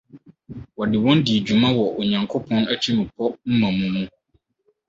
Wɔde Wɔn Dii Dwuma Wɔ Onyankopɔn Atirimpɔw Mmamu Mu